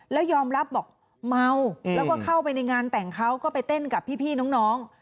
แล้วยอมรับบอกเมาแล้วก็เข้าไปในงานแต่งเขาก็ไปเต้นกับพี่น้อง